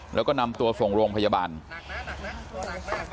แล้วก็นำตัวส่งโรงพยาบาลหนักน่ะหนักน่ะหนักน่ะ